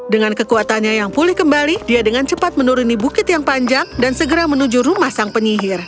dengan kekuatannya yang pulih kembali dia dengan cepat menuruni bukit yang panjang dan segera menuju rumah sang penyihir